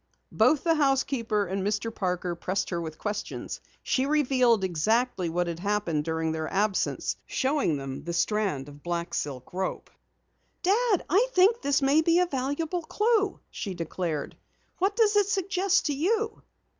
Both the housekeeper and Mr. Parker pressed her with questions. She revealed exactly what had occurred during their absence, showing them the strand of black silk rope. "Dad, I think this may be a valuable clue," she declared. "What does it suggest to you?"